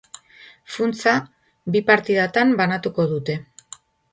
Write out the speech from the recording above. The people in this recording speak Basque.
Funtsa bi partidatan banatuko dute.